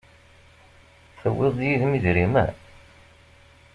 Tewwiḍ-d yid-m idrimen?